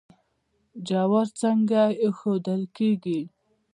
جوار څنګه ایښودل کیږي؟